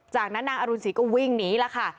จากนั้นนางอรุณศรีก็วิ่งหนีแล้วค่ะ